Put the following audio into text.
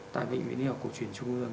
tại bệnh viện y học cổ truyền trung ương